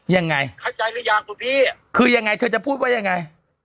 ยังไงเข้าใจหรือยังคุณพี่คือยังไงเธอจะพูดว่ายังไง